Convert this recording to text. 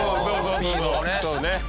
そうね。